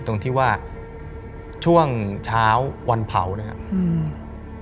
ตรงที่ว่าช่วงเช้าวันเผานะครับ